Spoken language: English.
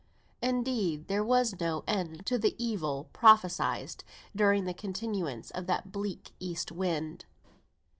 Indeed there was no end to the evil prophesied during the continuance of that bleak east wind.